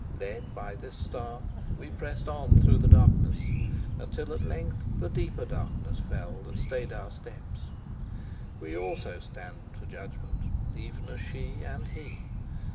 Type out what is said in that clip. Led by this star, we pressed on through the darkness, until at length the deeper darkness fell that stayed our steps. We also stand for judgment, even as she and he.